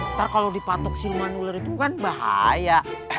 ntar kalau dipatok siluman nular itu kan bahaya